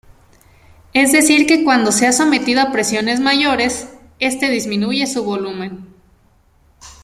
Es decir que cuando sea sometido a presiones mayores, este disminuye su volumen.